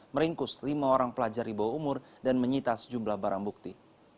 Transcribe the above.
meringkus lima orang pelajar di bawah umur dan menyita sejumlah barang bukti